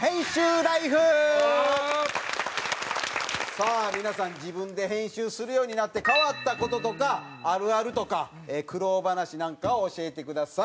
さあ皆さん自分で編集するようになって変わった事とかあるあるとか苦労話なんかを教えてください。